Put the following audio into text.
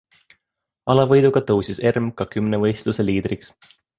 Alavõiduga tõusis Erm ka kümnevõistluse liidriks.